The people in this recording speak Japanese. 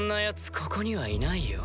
ここにはいないよ。